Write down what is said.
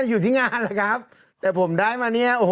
อยู่ที่งานเลยครับแต่ผมได้มาเนี่ยโอ้โห